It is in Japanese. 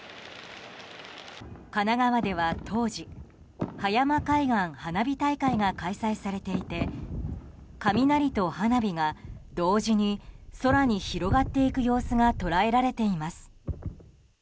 神奈川では当時、葉山海岸花火大会が開催されていて雷と花火が同時に空に広がっていく様子が捉えられています。